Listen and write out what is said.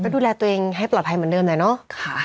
ดูแลตัวเองให้ปลอดภัยเหมือนเดิมหน่อยเนาะ